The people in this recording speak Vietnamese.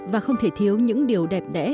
và không thể thiếu những điều đẹp đẽ